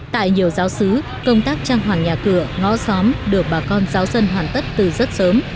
tại nhiều giáo sứ công tác trang hoàn nhà cửa ngõ xóm được bà con giáo dân hoàn tất từ rất sớm